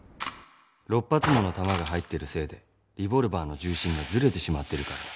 ６発もの弾が入ってるせいでレボルバーの重心がずれてしまってるからだ。